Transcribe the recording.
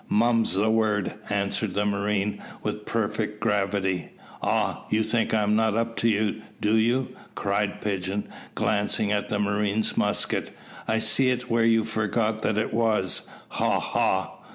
"Mum's the word," answered the marine, with perfect gravity. "Ah! you think I am not up to you, do you?" cried Pigeon, glancing at the marine's musket. "I see it where you forgot that it was, ha! ha!"